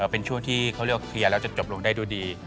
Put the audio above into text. เป็นช่วงที่เขาเรียกว่าเคลียร์แล้วจะจบลงได้ดูดี